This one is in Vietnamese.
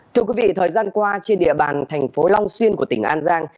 thưa quý vị thời gian qua trên địa bàn thành phố long xuyên của tỉnh an giang